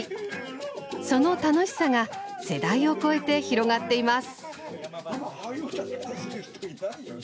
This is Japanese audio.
その楽しさが世代を超えて広がっています。